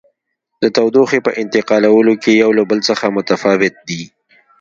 د تودوخې په انتقالولو کې یو له بل څخه متفاوت دي.